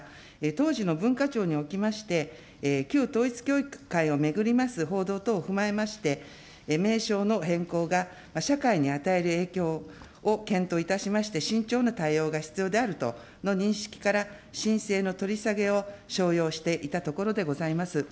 当時の文化庁におきまして、旧統一教会を巡ります報道等を踏まえまして、名称の変更が社会に与える影響を検討いたしまして、慎重な対応が必要であるとの認識から、申請の取り下げをしょうようしていたところでございます。